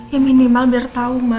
ya minimal biar tau ma